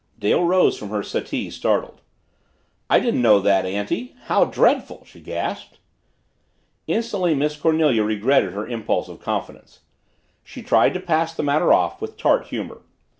Dale rose from her settee, startled. "I didn't know that, Auntie! How dreadful!" she gasped. Instantly Miss Cornelia regretted her impulse of confidence. She tried to pass the matter off with tart humor.